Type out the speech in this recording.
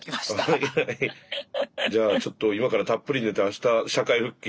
じゃあちょっと今からたっぷり寝てあした社会復帰